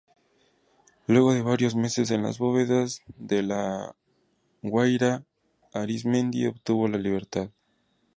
Luego de varios meses en las bóvedas de La Guaira, Arismendi obtuvo la libertad.